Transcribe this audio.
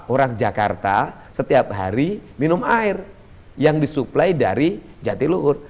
orang jakarta setiap hari minum air yang disuplai dari jatiluhur